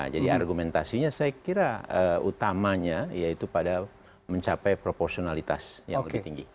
jadi argumentasinya saya kira utamanya yaitu pada mencapai proporsionalitas yang lebih tinggi